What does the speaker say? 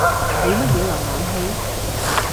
你乜嘢瀏覽器？